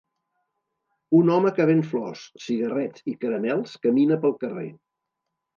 Un home que ven flors, cigarrets i caramels camine pel carrer.